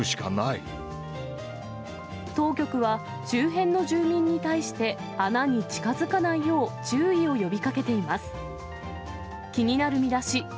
当局は、周辺の住民に対して穴に近づかないよう注意を呼びかけています。